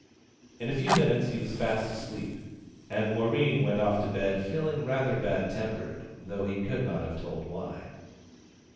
In a few minutes he was fast asleep, and Warreen went off to bed feeling rather bad tempered, though he could not have told why.